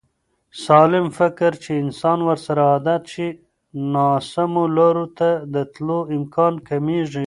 . سالم فکر چې انسان ورسره عادت شي، ناسمو لارو ته د تلو امکان کمېږي.